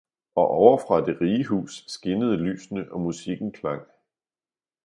Og ovre fra det rige hus skinnede lysene og musikken klang.